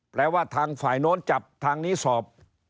แปลว่าทางฝ่ายโน้นจับทางนี้สอบ